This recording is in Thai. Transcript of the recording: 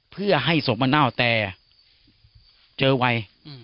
เพื่อให้ศพมาเน่าแต่เจอไว